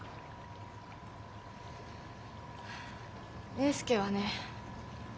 栄介はね